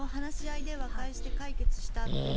話し合いで和解して解決したという。